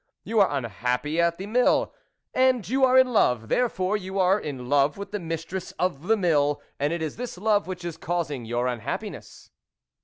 You are unhappy at the mill, aud you are in love ; therefore, you are in love with the mistress of the mill, and it is this love which is causing your unhappiness."